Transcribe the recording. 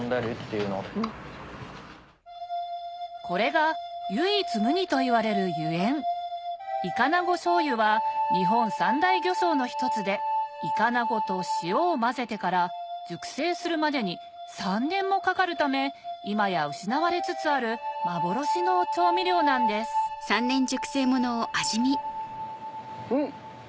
これが唯一無二といわれるゆえんいかなご醤油は日本三大魚醤の一つでいかなごと塩を混ぜてから熟成するまでに３年もかかるため今や失われつつある幻の調味料なんですんっ！